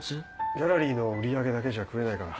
ギャラリーの売り上げだけじゃ食えないから。